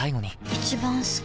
一番好き